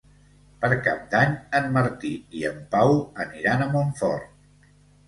Per Cap d'Any en Martí i en Pau aniran a Montfort.